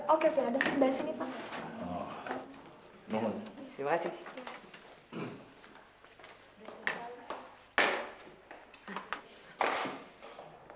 oh kevin ada susun bensin di sini pak